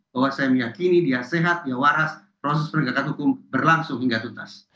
bahwa saya meyakini dia sehat dia waras proses penegakan hukum berlangsung hingga tuntas